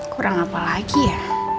kurang apa lagi ya